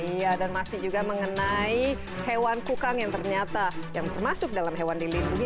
iya dan masih juga mengenai hewan kukang yang ternyata yang termasuk dalam hewan dilindungi